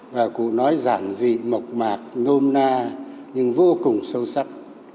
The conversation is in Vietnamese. và cụ nói giản dị mộc mạc nôm na nhưng vô cùng sâu sắc